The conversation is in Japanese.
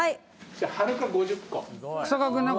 はるか５０個。